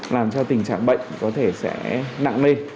làm cho tình trạng bệnh có thể sẽ nặng lên